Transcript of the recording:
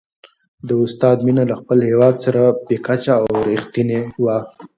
د استاد مینه له خپل هېواد سره بې کچې او رښتینې وه.